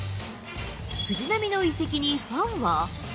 藤浪の移籍にファンは。